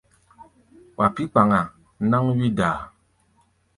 Wa pí̧ kpaŋa náŋ wí-daa.